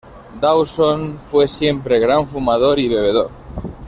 Dawson fue siempre gran fumador y bebedor.